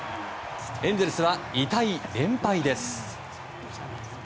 エンゼルスは痛い連敗です。